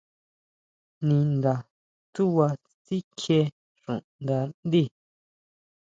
Ninda tsúʼba sikjie xuʼnda ndí.